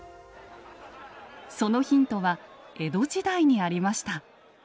そのヒントは江戸時代にありました。